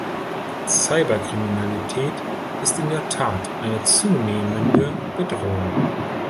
Cyberkriminalität ist in der Tat eine zunehmende Bedrohung.